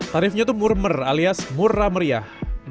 tarifnya tuh murmer alias murra meriah